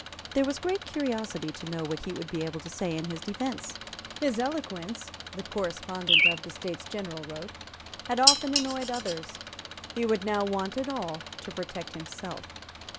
There was great curiosity to know what he would be able to say in his defence. His eloquence, the correspondent of the States General wrote, had often annoyed others. He would now want it all to protect himself.